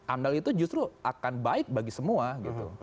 amdal itu justru akan baik bagi semua gitu